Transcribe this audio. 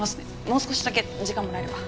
もう少しだけ時間もらえれば。